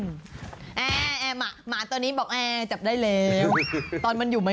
แน่ครับมาให้ดูแบบนี้ไม่ใช่เรื่องสนุกนะ